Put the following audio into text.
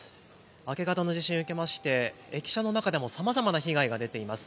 明け方の地震を受けまして駅舎の中でもさまざまな被害が出ています。